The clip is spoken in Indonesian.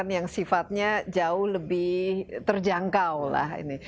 yang sifatnya jauh lebih terjangkau lah ini